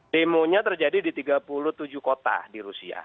demonya terjadi di tiga puluh tujuh kota di rusia